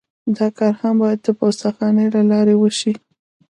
دا کار هم باید د پوسته خانې له لارې وشي